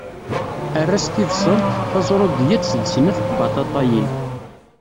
Err-as tibṣelt, tazṛudiyat d snat tbaṭaṭayin.